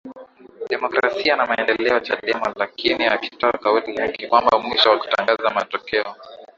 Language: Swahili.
demokrasia na maendeleo chadema lakini akitoa kauli yake kwamba mwisho wa kutangaza matokeo